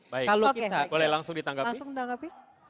baik boleh langsung ditanggapi